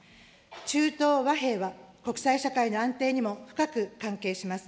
中東和平は、国際社会の安定にも深く関係します。